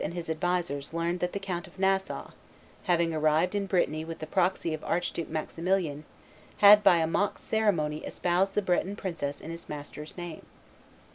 and his advisers learned that the Count of Nassau, having arrived in Brittany with the proxy of Archduke Maximilian, had by a mock ceremony espoused the Breton princess in his master's name.